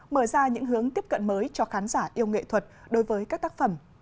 mở ra những hướng tiếp cận mới cho khán giả yêu nghệ thuật đối với các tác phẩm